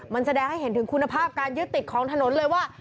มันแสดงให้เห็นถึงคุณภาพการยึดติดของถนนเลยว่า